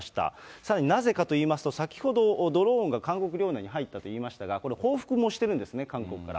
さらに、なぜかといいますと、先ほどドローンが韓国領内に入ったといいましたが、この報復もしてるんですね、韓国から。